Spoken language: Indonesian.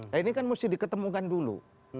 nah ini kan mesti diketemukan dulu